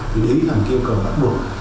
thì đấy là kêu cờ bắt buộc